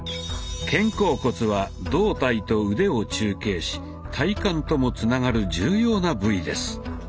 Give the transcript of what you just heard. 肩甲骨は胴体と腕を中継し体幹ともつながる重要な部位です。